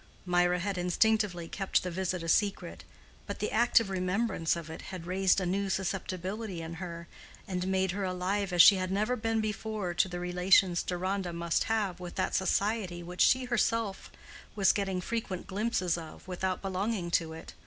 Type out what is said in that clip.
Mirah had instinctively kept the visit a secret, but the active remembrance of it had raised a new susceptibility in her, and made her alive as she had never been before to the relations Deronda must have with that society which she herself was getting frequent glimpses of without belonging to it.